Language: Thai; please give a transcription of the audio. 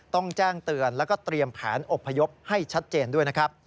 ต้องแจ้งเตือนแล้วก็เตรียมแผนอบพยพให้ชัดเจนด้วยนะครับ